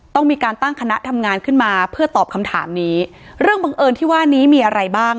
ต้องมีการตั้งคณะทำงานขึ้นมาเพื่อตอบคำถามนี้เรื่องบังเอิญที่ว่านี้มีอะไรบ้าง